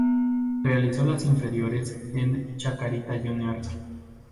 Realizó las inferiores en Chacarita Juniors.